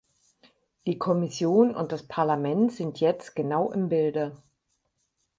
Die Kommission und das Parlament sind jetzt genau im Bilde.